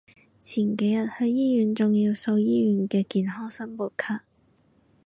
前幾日去醫院仲要掃醫院嘅健康申報卡